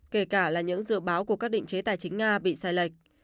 kể cả là những dự báo của các định chế tài chính nga bị sai lệch